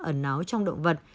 ở nó trong động vật